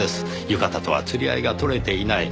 浴衣とは釣り合いが取れていない。